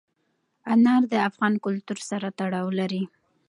انار د افغان کلتور سره تړاو لري.